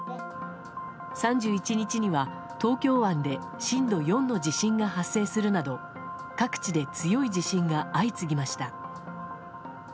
３１日には東京湾で震度４の地震が発生するなど各地で強い地震が相次ぎました。